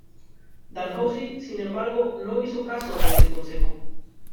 Dalhousie, sin embargo, no hizo caso de ese consejo.